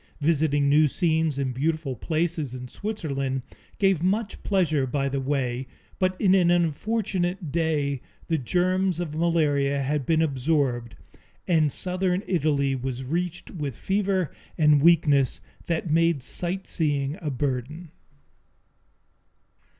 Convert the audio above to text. Visiting new scenes and beautiful places in Switzerland gave much pleasure by the way, but in an unfortunate day the germs of malaria had been absorbed and southern Italy was reached with fever and weakness that made sightseeing a burden.